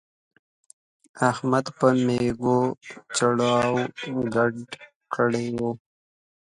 احمد په مېږو چړاو ګډ کړی وو.